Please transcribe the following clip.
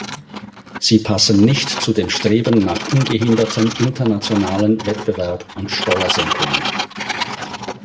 Sie passen nicht zu dem Streben nach ungehindertem internationalen Wettbewerb und Steuersenkungen.